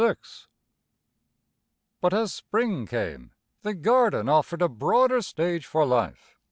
VI But as spring came, the garden offered a broader stage for life.